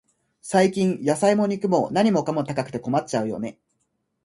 最近、野菜も肉も、何かも高くて困っちゃうよね。